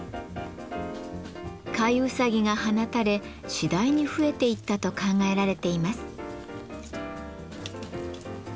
飼いうさぎが放たれ次第に増えていったと考えられています。